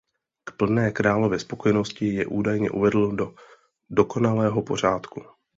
K plné králově spokojenosti je údajně uvedl do dokonalého pořádku.